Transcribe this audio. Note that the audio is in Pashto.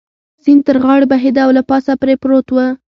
سیند تر غاړې بهېده او له پاسه پرې پروت پل.